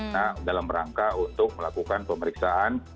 nah dalam rangka untuk melakukan pemeriksaan